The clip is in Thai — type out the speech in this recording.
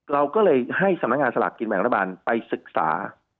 เราก็เลยให้สำนักงานสลากกินแบ่งรัฐบาลไปศึกษา